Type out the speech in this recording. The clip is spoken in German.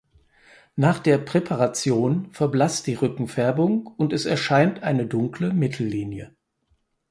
Nach der Präparation verblasst die Rückenfärbung und es erscheint eine dunkle Mittellinie.